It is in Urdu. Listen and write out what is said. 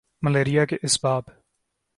ملیریا کے اسباب